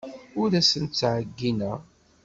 Ur asent-ttɛeyyineɣ.